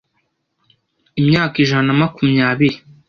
imyaka ijana na makumyabiri